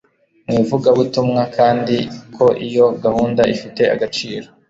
mu ivugabutumwa kandi ko iyo gahunda ifite agaciro